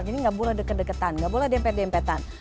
jadi gak boleh deket deketan gak boleh dempet dempetan